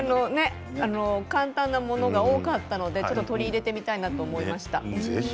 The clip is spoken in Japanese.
簡単なものが多かったので取り入れてみたいなと思いました。